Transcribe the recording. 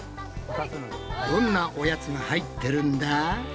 どんなおやつが入ってるんだ？